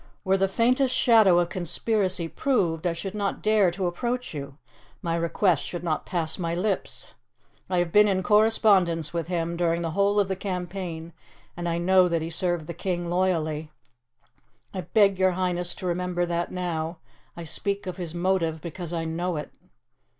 "Were the faintest shadow of conspiracy proved, I should not dare to approach you; my request should not pass my lips. I have been in correspondence with him during the whole of the campaign, and I know that he served the king loyally. I beg your Highness to remember that now. I speak of his motive because I know it."